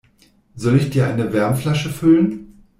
Soll ich dir eine Wärmflasche füllen?